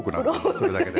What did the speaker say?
それだけで。